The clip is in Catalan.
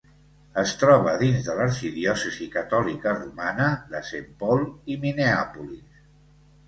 Es troba dins de l'arxidiòcesi catòlica romana de Saint Paul i Minneapolis.